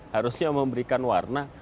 harusnya memberikan warna